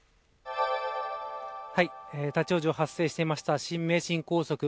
立ち往生、発生していました新名神高速道路。